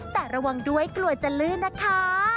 แต่ระวังด้วยกลัวจะลื่นนะคะ